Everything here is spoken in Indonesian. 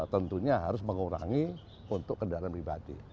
tentunya harus mengurangi untuk kendaraan pribadi